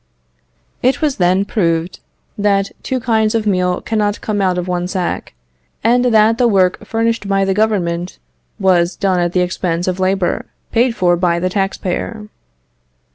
It was then proved that two kinds of meal cannot come out of one sack, and that the work furnished by the Government was done at the expense of labour, paid for by the tax payer.